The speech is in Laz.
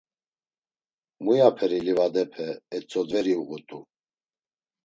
Muyaperi livadepe etzodveri uğut̆u.